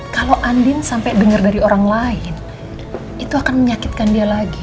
kalau andin sampai dengar dari orang lain itu akan menyakitkan dia lagi